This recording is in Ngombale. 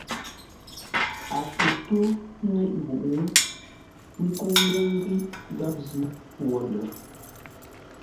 A kə̂ ntó nŋéʼ ghuʼu, ə́ nkə́u ńnyáŋ ghíʼ gháp zʉ́ wo lə̌r.